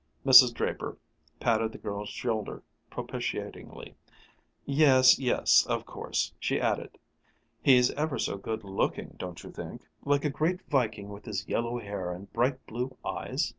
Mrs. Draper patted the girl's shoulder propitiatingly. "Yes, yes, of course," she assented. She added, "He's ever so good looking, don't you think like a great Viking with his yellow hair and bright blue eyes?"